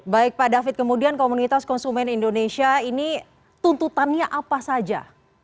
baik pak david kemudian komunitas konsumen indonesia ini tuntutannya apa saja